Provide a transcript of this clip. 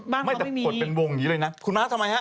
บ้านเขาไม่มีแต่ขนเป็นวงอย่างนี้เลยนะ